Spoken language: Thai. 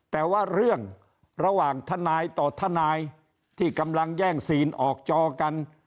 แต่ว่าเรื่องระหว่างทนายต่อทนายที่กำลังแย่งซีนออกจอกัน